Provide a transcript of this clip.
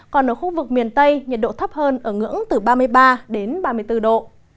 còn ở khu vực miền tây nhiệt độ thấp hơn ở ngưỡng từ ba mươi ba đến ba mươi bốn độ